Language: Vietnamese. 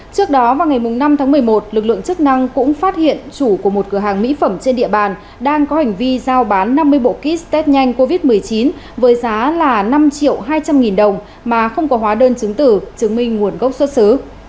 trước đó vào ngày năm tháng một mươi một lực lượng chức năng cũng phát hiện chủ của một cửa hàng mỹ phẩm trên địa bàn đang có hành vi giao bán năm mươi bộ kit test nhanh covid một mươi chín với giá là năm triệu hai trăm linh nghìn đồng mà không có hóa đơn chứng tử chứng minh nguồn gốc xuất xứ